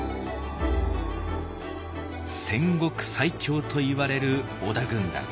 戦国最強といわれる織田軍団。